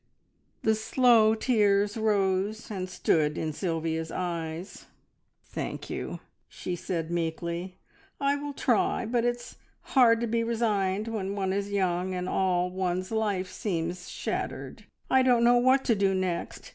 The slow tears rose and stood in Sylvia's eyes. "Thank you!" she said meekly. "I will try, but it's hard to be resigned when one is young, and all one's life seems shattered. I don't know what to do next.